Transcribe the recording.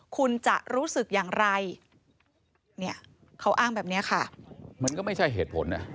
คุณจะรู้สึกอย่างไรเนี่ยเขาอ้างแบบนี้ค่ะมันก็ไม่ใช่เหตุผลนะ